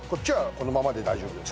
このままで大丈夫なんだ。